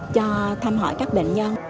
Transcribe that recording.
cho thăm hỏi các bệnh nhân